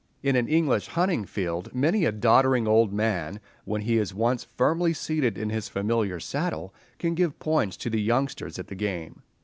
In an English hunting field many a doddering old man, when he is once firmly seated in his familiar saddle, can give points to the youngsters at the game.